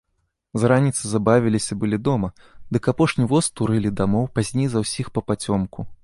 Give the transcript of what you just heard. З раніцы забавіліся былі дома, дык апошні воз турылі дамоў пазней за ўсіх папацёмку.